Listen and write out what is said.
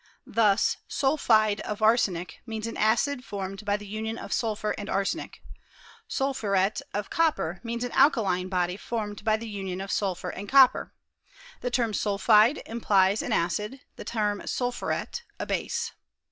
Thus sulphide of arsenic means an acid formed by the union of sulphur and arsenic ; sulphwet of cop per means an alkaline body formed by the union of sulphur and copper. The term sulphide implies an acid, the term sulphuret a base.